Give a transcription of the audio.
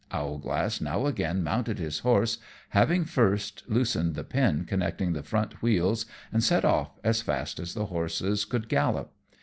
Owlglass now again mounted his horse, having first loosened the pin connecting the front wheels, and set off as fast as the horses could gallop.